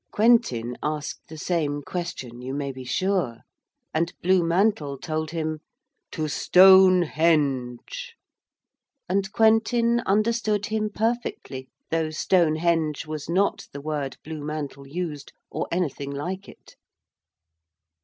Quentin asked the same question you may be sure, and Blue Mantle told him 'To Stonehenge.' And Quentin understood him perfectly, though Stonehenge was not the word Blue Mantle used, or anything like it.